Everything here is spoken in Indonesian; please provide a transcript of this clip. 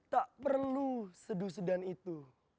tak perlu seduh sedan itu